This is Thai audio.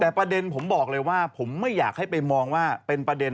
แต่ประเด็นผมบอกเลยว่าผมไม่อยากให้ไปมองว่าเป็นประเด็น